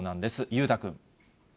裕太君。